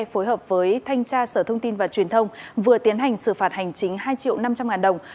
phối hợp với thanh tra sở thông tin và truyền thông vừa tiến hành xử phạt hành chính hai triệu năm trăm linh ngàn đồng